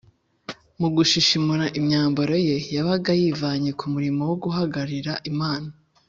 mu gushishimura imyambaro ye, yabaga yivanye ku murimo wo guhagarira imana